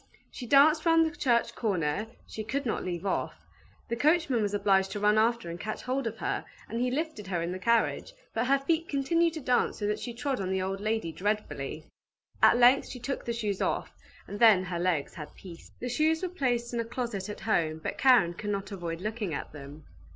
She danced round the church corner, she could not leave off; the coachman was obliged to run after and catch hold of her, and he lifted her in the carriage, but her feet continued to dance so that she trod on the old lady dreadfully. At length she took the shoes off, and then her legs had peace. The shoes were placed in a closet at home, but Karen could not avoid looking at them.